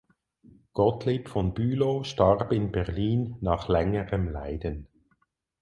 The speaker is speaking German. Gottlieb von Bülow starb in Berlin nach längerem Leiden.